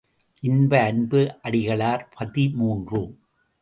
இன்ப அன்பு அடிகளார் பதிமூன்று .